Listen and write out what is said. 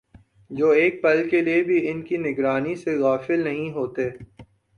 جو ایک پل کے لیے بھی ان کی نگرانی سے غافل نہیں ہوتے